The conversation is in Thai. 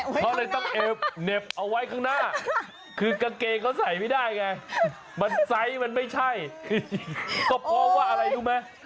เขาเลยต้องแอบเหน็บเอาไว้ข้างหน้าคือกางเกงเขาใส่ไม่ได้ไงมันไซส์มันไม่ใช่ก็เพราะว่าอะไรรู้ไหม